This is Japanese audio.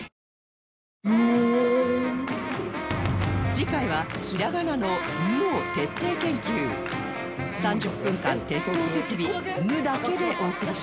次回はひらがなの「ぬ」を徹底研究３０分間徹頭徹尾「ぬ」だけでお送りします